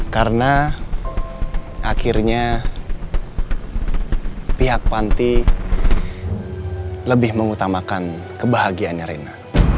karena akhirnya pihak panti lebih mengutamakan kebahagiaan rina